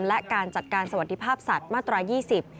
และการจัดการสวัสดิภาพสัตว์มาตรายี่สิบ